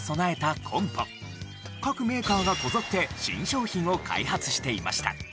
各メーカーがこぞって新商品を開発していました。